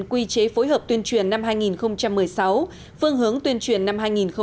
quy chế phối hợp tuyên truyền năm hai nghìn một mươi sáu phương hướng tuyên truyền năm hai nghìn một mươi chín